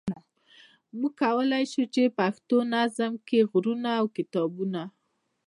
موږ کولای شو چې په پښتو نظم کې غرونه او کتابونه.